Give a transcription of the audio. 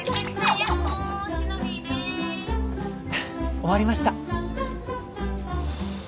終わりました。